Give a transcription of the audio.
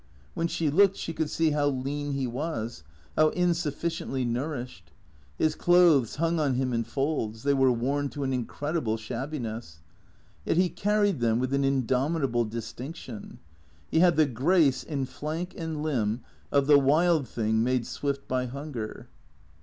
When she looked, she could see how lean he was, how insuffi ciently nourished. His clothes hung on him in folds ; they were worn to an incredible shabbiness. Yet he carried them with an indomitable distinction. He had the grace, in flank and limb, of the wild thing made swift by hunger.